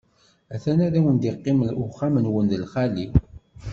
A-t-an, ad wen-d-iqqim uxxam-nwen d lxali.